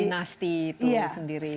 dinasti itu sendiri